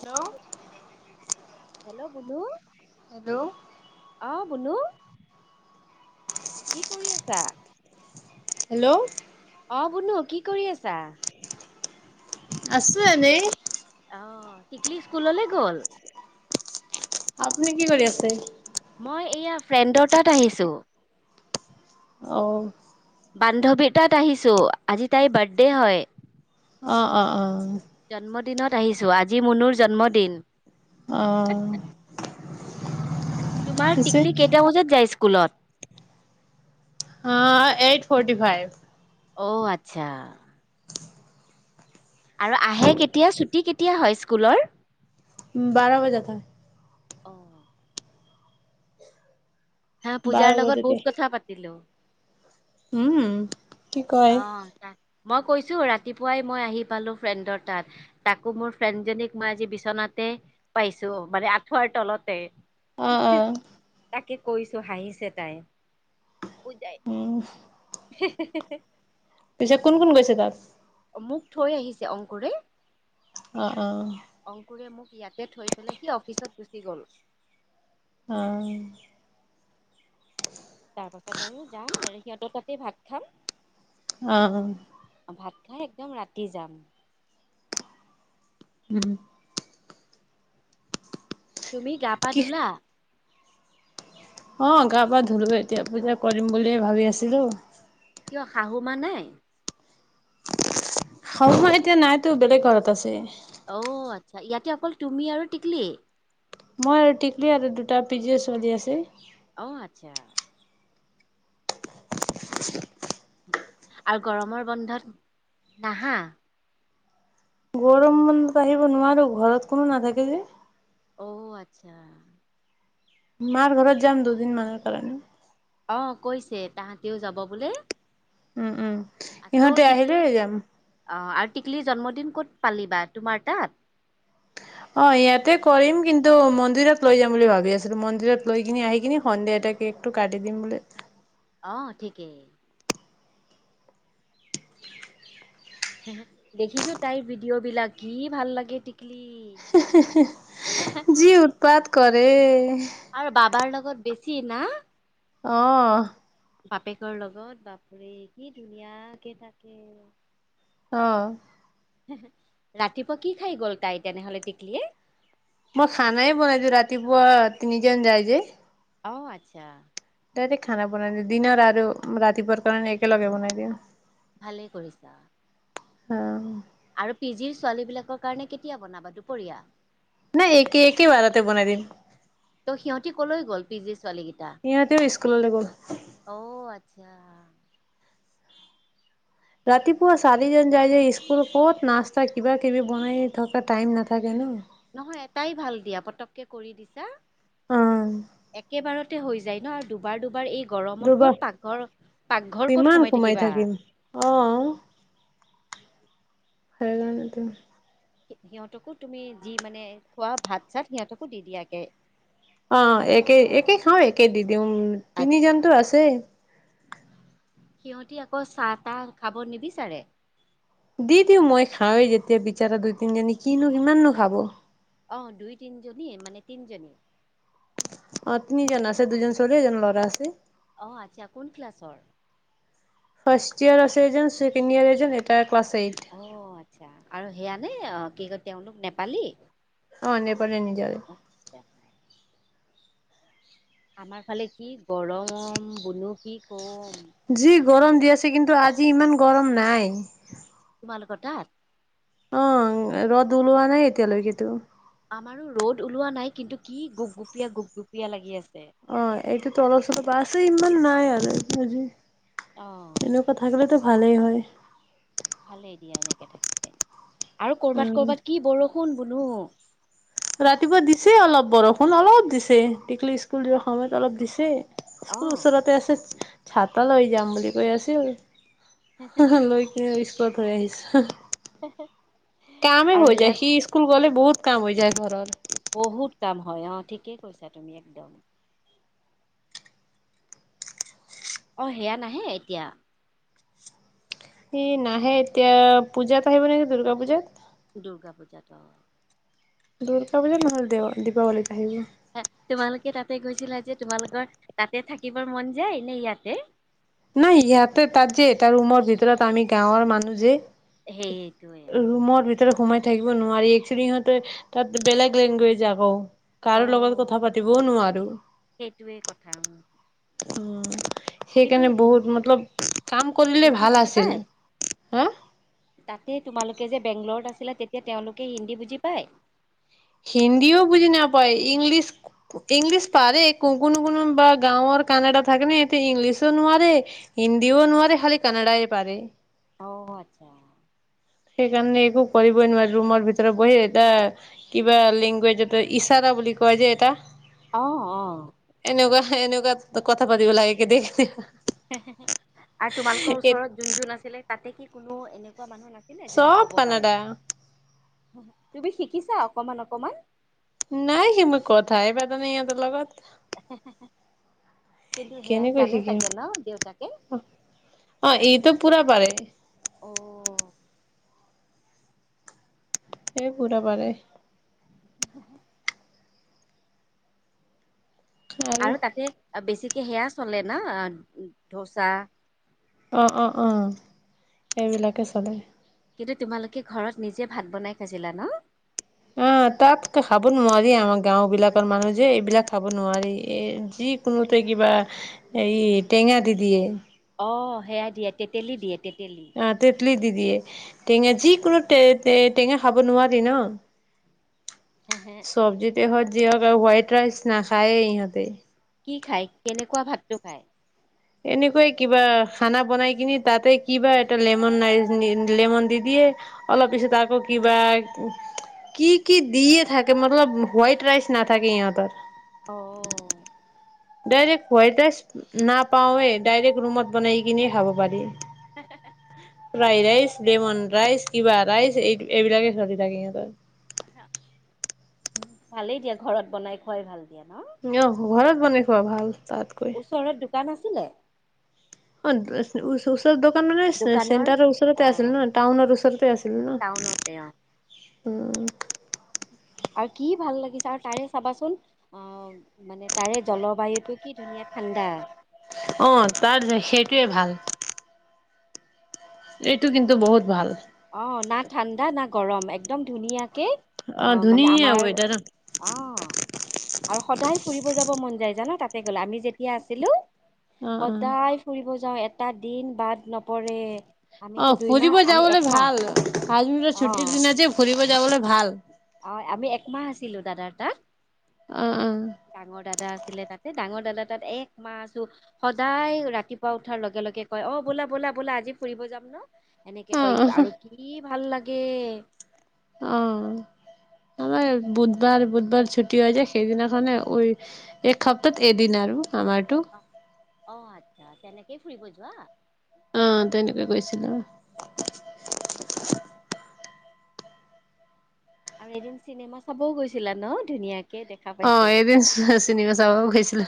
Hello hello বলু hello অ বুলু কি কৰি আছা হেল্ল' অ বুনো কি কৰি আছা আছো এনেই অ টিকলি স্কুললে গল আপুনি কি কৰি আছে মই এয়া ফ্ৰেণ্ডৰ তাত আহিছোঁ অঁ বান্ধৱী তাত আহিছোঁ আজি তাইৰ বাৰ্থডে হয় অ অ অ জন্মদিনত আহিছো আজি মুনুৰ জন্মদিন অ'। তোমাৰ পিছে টিকলি কেইটা বজাত যায় স্কুলত? অ', এইট ফৰ্টি ফাইভ। অ', আচ্ছা। আৰু আহে কেতিয়া, ছুটি কেতিয়া হয় স্কুলৰ? বাৰ বজা। অ'। হা বাৰ পূজাৰ লগত বজাতে বহুত কথা পাতিলো। উম। কি কয়? অ', ত মই কৈছো ৰাতিপুৱাই মই আহি পালোঁ ফ্ৰেণ্ডৰ তাত তাকো মোৰ ফ্ৰেণ্ডজনীক মই আজি বিচনাতে পাইছো মানে আঠুঁৱাৰ তলতে অ', অ', তাকে কৈছোঁ হাঁহিছে তাই। পজাই উম, [unintelligible] পিছেছ কোন কোন গৈছে তাত? মোক থৈ আহিছে অংকুৰে অ', অ', অংকুৰে মোক ইয়াতে থৈ পেলাই সি অফিচত গুচি গ'ল। অ'। তাৰ পাছত আৰু যাম আৰু সিহঁতৰ তাতে ভাত খাম। অ', অ'। ভাত খাই একদম ৰাতি যাম। উম। তুমি গা পা কি ধুলা? অ', গা পা ধুলো এতিয়া পূজা কৰিম বুলিয়ে ভাবি আছিলো। কিয় শাহু মা নাই? শাহুমা এতিয়া নাইতো বেলেগ ঘৰত আছে। অ' আচ্ছা ইয়াতে অকল তুমি আৰু টিকলি। মই আৰু টিকলি আৰু দুটা পি জিৰ' ছোৱালী আছে। আহ আচ্ছা। আৰু গৰমৰ বন্ধত নাহা। গৰম বন্ধত আহিব নোৱাৰো, ঘৰত কোনো নাথাকে যে। অ' আচ্ছা। মাৰ ঘৰত যাম দুদিন মানৰ কাৰণে। অ', কৈছে তাহাঁতিও যাব বোলে। উম, উম আকৌ ইহঁতে আহিলেই যাম। অ আৰু টিকলি জন্মদিন ক'ত পালিবা? তোমাৰ তাত? অ', ইয়াতে কৰিম কিন্তু মন্দিৰত লৈ যাম বুলি ভাবি আছিলোঁ মন্দিৰত লৈ কিনি আহি কিনি সন্ধিয়া কেক কাটি দিম বুলি। অ' ঠিকেই। দেখিছো তাইৰ ভিডিঅ' বিলাক, কি ভাল লাগে টিকলি যি উৎপাত কৰে। আৰু বাবাৰ লগত বেছি না। অ'। বাপেকৰ লগত বাপৰে কি ধুনীয়া কে থাকে! অ'। ৰাতিপুৱা কি খাই গ'ল তাই তেনেহলে টিকলিয়ে? মই খানাই বনাইছো ৰাতিপুৱা তিনিজন যাই যে। অ', আচ্ছা। ডাইৰেক্ট খানা বনাই দিওঁ দিনৰ আৰু ৰাতিপুৱাৰ কাৰণে একেলগে বনাই দিওঁ। ভালেই কৰিছা। অঁ আৰু পি জিৰ ছোৱালী বিলাকৰ কাৰণে কেতিয়া বনাবা দুপৰীয়া? নাই একে, একে বাৰতে বনাই দিম। ত সিহঁতি কলৈ গল পি জি ছোৱালী কেইটা? সিহঁতেও স্কুললৈ গ'ল অ ঔ আচ্ছা! ৰাতিপুৱা চাৰিজন যায় যে স্কুল ক'ত নাস্তা কিবা কিবি বনাই থকা টাইম নাথাকে ন' নহয় এটাই ভাল দিয়া পতককে কৰি দিছা। অ' একেবাৰত- তে হৈ যায় ন' আৰু দুবাৰ দুবাৰ এই গৰমত দুবাৰ ক'ত পাকঘৰ, পাকঘৰ ক'ত কিমান সোমাই থাকিবা। থাকিম অ' [unintelligible] সি, সিহঁতকো তুমি যি মানে খোৱা ভাত-চাত সিহঁতকো দি দিয়াকে? অঁ একে, একে খাওঁ একে দি দিওঁ আচ্ছা তিনিজনতো আছে। সিহঁতি আকৌ চাহ-তাহ খাব নিবিচাৰে? দি দিওঁ মই খাওঁৱেই যেতিয়া বিচাৰা দুই তিনজনী কিনো কিমাননো খাব। অ' দুই তিনিজনীয়ে মানে তিনিজনী? অ' তিনিজন আছে। দুজন চলি এজন ল'ৰা আছে। অ' আচ্ছা কোন ক্লাছৰ? ফাৰ্ষ্ট ইয়াৰ আছে এজন, ছেকেণ্ড ইয়াৰ এজন, এটা ক্লাছ এইট। আচ্ছা আৰু সেয়া মানে অ কি কয় তেওঁলোক নেপালী? অ' নেপালী নিজৰে আমাৰ ফালে কি গৰম বুনো কি কম। যি গৰম দি আছে কিন্তু আজি ইমান গৰম নাই। তোমালোকৰ তাত? অঁ' ৰ'দ ওলোৱা নাই এতিয়ালৈকেতো। আমাৰো ৰ'দ ওলোৱা নাই কিন্তু কি গোপ-গুপীয়া, গোপ-গুপীয়া লাগি আছে। অ' এইটোতো তলপ-চলপ আছে, ইমান নাই আৰু আজি অ', এনেকুৱা থাকিলেতো ভালেই হয়। ভালেই দিয়া এনেকে থাকিলে আৰু কৰবাত অ' কৰবাত কি বৰষুণ বোনো। ৰাতিপুৱা দিছে অলপ বৰষুণ, অলপ দিছে তিক্লি স্কুল যোৱা সময়ত অলপ দিছে। স্কুল অ', ওচৰতে আছে ছাতা লৈ যাম বুলি কৈ আছিল। লৈ কিনে স্কুলত হৈ আহিছে হেঁ হেঁ! কাম হৈ যায়। সি স্কুল গলে বহুত কাম হৈ যায় ঘৰৰ। বহুত কাম হয় অঁ' ঠিকেই কৈছা তুমি একদম। অঁ 'সেইয়া নাহে এতিয়া? সি নাহে এতিয়া, পূজাত আহিব নেকি দূৰ্গা পূজাত। দুৰ্গা পূজাত অ'। দুৰ্গা পূজাত নহলে দে, দীপাৱলীত আহিব। এ, তোমালোকে তাতে গৈছিলা যে তোমালোকৰ তাতে থাকিবৰ মন যায় নে ইয়াতে? নাই ইয়াতে, তাত যে এটা ৰুমৰ ভিতৰত আমি গাঁৱৰ মানুহ যে সেইটোৱে উম, ৰুমৰ ভিতৰত সোমাই থাকিব নোৱাৰি। একচেলি সিহঁতে তাত বেলেগ লেংগুৱেজ আকৌ। কাৰো লগত অ', কথা পাতিবও নোৱাৰো। সেইটোৱে কথা। উম! অহ্' কিন্তু সেইকাৰণে হিন্দী বহুত মতলব, কাম কৰিলে হিন্দী ভাল বুজি আছিল। পায়? হা তাতে তোমালো- কে যে বেংগলৰত আছিলা তেতিয়া তেওঁলোকে হিন্দী বুজি পায়? হিন্দীও বুজি নাপায় ইংলিছ কো- ইংলিছ পাৰে। কো, কোনো, কোনোবা গাঁৱৰ কানাডা থাকেনা সিহঁতি ইংলিছো নোৱাৰে হিন্দীও নোৱাৰে, খালি কানাডাই পাৰে। অঁহ' আচ্ছা! সেইকাৰণে একো কৰিবই নোৱাৰাৰে ৰুমৰ ভিতৰত বহি এটা কিবা লেংগুৱেজ ইচাৰা বুলি কয় যে এটা অ', অ'। এনেকুৱা এনেকুৱা কথা পাতিব লাগে কেতি কেতি আৰু তোমালোকৰ ওচৰত যোন যোন আছিলে তাতে কি কোনো এনে এনেকুৱা মানুহ নাছিলে যোনে চব ক'ব পাৰে। কানাডা তুমি শিকিছা অকমান, অকমান। নাই সি মোৰ কথাই পাতা নাই ইহঁতৰ লগত। [inaudible] কিন্তু সেয়াই কেনেকৈ জানে শিকিম চাগে ন' দেউতাকে। অ ইটো পুৰা পাৰে। অ'। এই পুৰা পাৰে। [inaudible] আৰু তাতে বেছিকে সেয়া চলে না ধোচা অ', অ', অ', এইবিলাকে চলে। কিন্তু তোমালোকে ঘৰত নিজে ভাত বনাই খাইছিলা ন'। অ', তাত খাব নোৱাৰি আমাৰ গাওঁ বিলাকৰ মানুহ যে এইবিলাক খাব নোৱাৰি এ যি কোনোতে কিবা এই টেঙা দি দিয়ে। অ', সেয়া দিয়ে তেতেলী দিয়ে তে অ', তেতলি দিদিয়ে টেঙা যিকোনো টেঙা খাব নোৱাৰি ন'। হেহে চব্জি দেহত যিহওঁক হোৱাইট ৰাইচ নাখায় ইহঁতে। কি খায়? কেনেকুৱা ভাতটো খায়? এনেকুৱাই কিবা খানা বনাই কিনি তাতে কিবা এটা লেমন নাৰ লেমন দি দিয়ে অলপ পিছত আকৌ কিবা কি কি দিয়ে থাকে মতলব হোৱাইট ৰাইচ নাথাকে ইহঁতৰ। অ'। ডাইৰেক্ট হোৱাইট ৰাইচ নাপাওঁৱে ডাইৰেক্ট ৰুমত বনাই কিনি খাব পাৰি। ঠিকে ফ্ৰাই আছে দিয়া ৰাইচ লেমন ৰাইচ কিবা লাই এই এইবিলাকে চলি থাকে সিহঁতৰ। ভালেই দিয়া ঘৰত বনাই খোৱাই ভাল। দিয়া ন? অ', ঘৰত বনাই খোৱা ভাল তাতকৈ। তাত আাছিলে অ', [unintelligible] ৰ দোকান মানে দোকানৰ চেণ্টাৰৰ অ ওচৰতে আছিল ন' টাউনৰ ওচৰতে আছিল টাউনতে অ ন'। উম [inaudible] আৰু কি ভাল লাগিছে আৰু তাৰে চাবাচোন অ মানে তাৰে জলবায়ুতটো কি ধুনীয়া ঠাণ্ডা অ তাৰ যে সেইটোৱে ভাল এইটো কিন্তু বহুত ভাল অ না ঠাণ্ডা না গৰম একদম ধুনীয়াকে অ অহ মানে ধুনীয়া আমাৰ ৱেডাৰ অহ আৰু সদায় ফুৰিব যাব মন যায় জান তাক গল আমি যেতিয়া আছিলো অ অ সদায় ফুৰিব যাওঁ এটা দিন বাদ নপৰে অ আমিতো দুইমাহ ফুৰিব আমি যাবলৈ একমাহ ভাল আজমিৰৰ অ ছুটিৰ দিনা যে ফুৰিব যাবলৈ ভাল অ আমি একমাহ আছিলো দাদাৰ তাত অ অ ডাঙৰ দাদা ছিলে তাতে ডাঙৰ দাদা তাত এক মাহছো সদায় ৰাতিপুৱা উঠাৰ লগে লগে কয় অ বোলা বোলা বোলে আজি ফুৰিব যাম ন এনেকে অ কয় আৰু কি ভাল লাগে উম [inaudible] বুধবাৰ বুধবাৰ ছুটি হৈ যায় সেইদিনাখনে ঐ এক সপ্তাহত এদিন আৰু আমাৰতো অ অ আচ্ছা তেনেকেই ফুৰিব যোৱা আহ তেনেকুৱাই কৈছিলো আৰু এদিন চিনেমা চাবও গৈছিলা ন ধুনীয়াকে দেখা অ পাইছো এদিন চিনেমা চাব গৈছিলো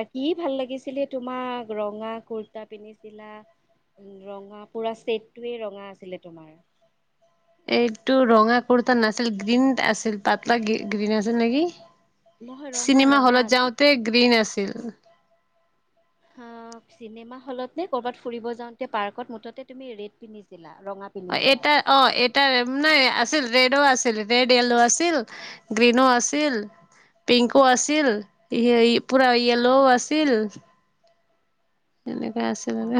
আৰু কি ভাল লাগিছিলে তোমাক ৰঙা কুুৰ্তা পিন্ধিছিলা উ ৰঙা পুৰা ষ্টেটটোৱে ৰঙা আছিলে তোমাৰ এইটো ৰঙা কুৰ্তা নাছিল গ্ৰীণ আছিল পাতলা গ্ৰীণ আছিল নেকি নহয় ৰঙা চিনেমা ৰঙা হলত আছিল যাওঁতে গ্ৰীণ আছিল অ চিনেমা হলত নে কৰবাত ফুৰিব যাওঁতে পাৰ্কত মুঠতে তুমি ৰেড পিন্ধিছিলা ৰঙা অ পিন্ধিছিলা এটা অ এটাৰ নাই আছিল ৰেডো আছিল ৰেড য়্লো আছিল গ্ৰীনো আছিল পিংকো আছিল পুৰা য়ল' আছিল আছিলানে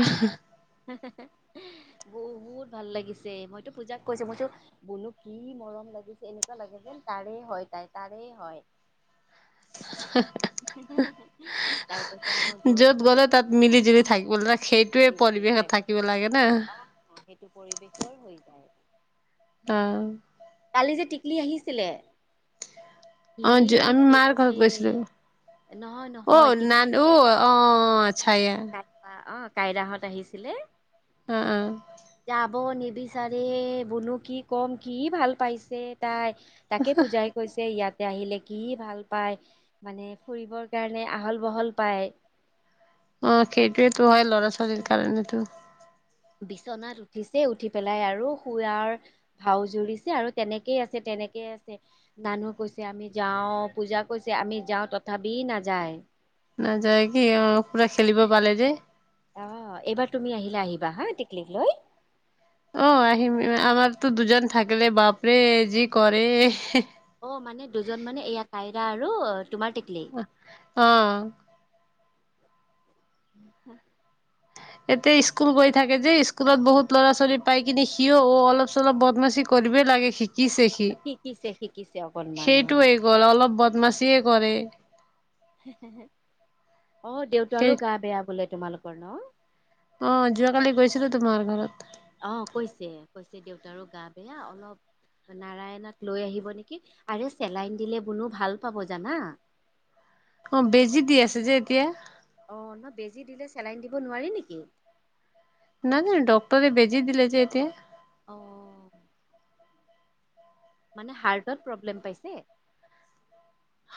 বহু বহুত ভাল লাগিছে মইতো পুজাক কৈছো মইতো বুনো কি মৰম লাগিছে এনেকুৱা লাগে যেন তাৰে হয় তাই তাৰেেই হয় তাইকো যে য'ত থাকে গ'লে তাত মিলি জুলি থাকিব লাগে সেইটোৱে পৰিৱেশত থাকিব লাগে না অ অ সেইটো পৰিৱেশেও হৈ যায় অহ কালি যে টিকলি আহিছিলে সি অ আমি মাৰ খেলিছে। কাষত গৈছিলো নহয় অ নহয় টিকলি নান যে আহ অ কাইদহত আহিছিলে অ অ য হ'ব নিবিচাৰে বুনো কি ক'ম কি ভাল পাইছে তাই তাকে পূজাই কৈছে ইয়াত আহিলে কি ভাল পায় মানে ফুৰিবৰ কাৰণে আহল বহল পায় অ সেইটোয়েতো হয় ল'ৰা ছোৱালীৰ কাৰণেতো বিচনাত উঠিছে উঠি পেলাই আৰু শুৱাৰ ভাও জুৰিছে আৰু তেনেকেই আছে তেওঁ তেনেকে আছে নানুহ কৈছে আমি যাও পূজা কৈছে আমি যাও তথাপি নাযায় না যাইকি অ পুৰা খেলিব পালে যে আহ এইবাৰ তুমি আহিলে আহিবা হা টিকলিক লৈ অ আহিম আমাৰতো দুজন থাকিল বাপৰে যি কৰে অ মানে দুজন মানে এয়া কাইৰা আৰু তোমাৰ টিকলি অ'। [inaudible] এতিয়া স্কুল গৈ থাকে যে স্কুলত বহুত ল'ৰা ছোৱালী পাই কিনে সিয় অ', অলপ চলপ বদমাচি কৰিবই লাগে শিক শিকিছে সি শিকিছে শিকিছে অকনমান অ সেইটোৱে কৰ অলপ বদমাচিয়ে কৰে। অ', সেই দেউতাৰো গা বেয়া বোলে তোমালোকৰ ন'। অ', যোৱাকালি গৈছিলো তোমাৰ ঘৰত। তা আৰু গা বেয়া অলপ নাৰায়ণক লৈ আহিব নেকি আৰু চেলাইন দিলে বোলো ভাল পাব জানা। [inaudible] অ', বেজি দি আছে যে এতিয়া। অ', ন' বেজী দিলে চেলাই নি দিব নোৱাৰি নেকি? নাজানো ডক্টৰে বেজি দিল যে এতিয়া। অ'। মানে হাৰ্টত প্ৰব্লেম পাইছে।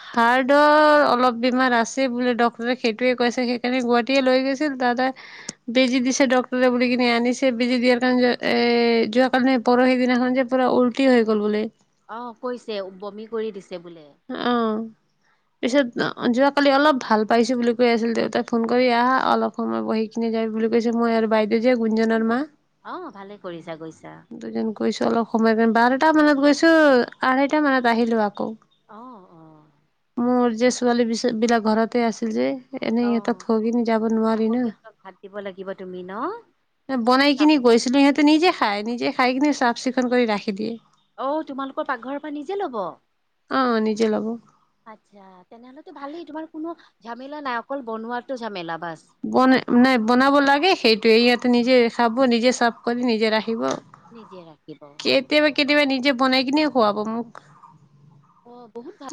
হাৰ্টৰ অলপ বেমাৰ আছে বুলি ডক্টৰে সেইটোয়ে কৈছে সেইকাৰণে গুৱাহাটীয়ে লৈ গৈছিল তাত। বেজি দিছে ডক্টৰে বুলি কিননে আনিছে বেজি দিয়াৰ কাৰণে এ যোৱ কালি নে পৰহি। সদিনাখন যে পুৰা উল্টি হৈ গ'ল বোলে। অহ, কৈছে বমি কৰি দিছে বোলে। অ [inaudible] পিছত যোৱাকালি অলপ ভাল পাইছো বুলি কৈ আছিল দেউতাই ফোন কৰি আহা অলপ সময় বহি কিননে যাই। বুলি কৈছে মই আৰু বাইদেউ যে গুঞ্জনৰ মা অ ভালে কৰিছা গৈছা দুজন গৈছো অলপ সময় কাৰ বাৰটা মানত গৈছো। ত আহৈটা মানত আহিলো আকৌ। অ অ মোৰ যে ছোৱালী বি বিলাক ঘৰতে আছিল যে। এনেই সিহঁতক অ' থৈ কিনি যাব নোৱাৰি আকৌ ন সিহতক ভাত দিব লাগিব তুমি ন। বনাই চাব কিনি গৈছিলো সিহঁতে নিজে খাই নিজে খাই কিনি চাফ চিকুণ কৰি ৰাখি দিয়ে। অ' তোমালোকৰ পাকঘৰৰ পৰা নিজে লব। অ নিজে ল'ব আচ্ছা, তেনেহলেতো ভালেই। তোমাৰ কোনো ঝামেলা নাই অকল বনোৱাাতো ঝামেলা। বাছ বন নাই বনাব লাগে সেইটোয়ে ইয়াতে নিজে খাব নিজে চাফ কৰি নিজে ৰাখিব। নিজে ৰাখিব। যে বনাই কিনে খুৱাব মোক। অ' বহুত ভাল।